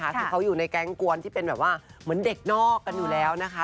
คือเขาอยู่ในแก๊งกวนที่เป็นแบบว่าเหมือนเด็กนอกกันอยู่แล้วนะคะ